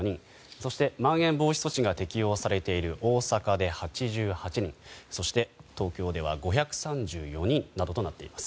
そしてまん延防止措置が適用されている大阪で８８人そして、東京では５３４人などとなっています。